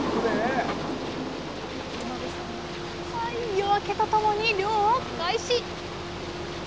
夜明けとともに漁を開始。